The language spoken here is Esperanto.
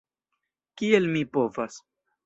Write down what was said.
Kiel mi povas?